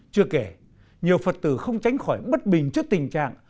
chưa kể nhiều phật tử không tránh khỏi bất bình trước tình trạng